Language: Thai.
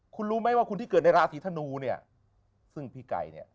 คุณรู้ไหมว่าคุณที่เกิดในราศีธนูเนี่ยซึ่งพี่ไก่เนี่ย